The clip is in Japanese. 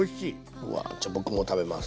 うわじゃ僕も食べます。